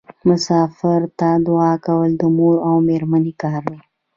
مسافر ته دعا کول د مور او میرمنې کار دی.